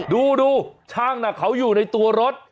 ดูช่างเขาอยู่ในตัวรถ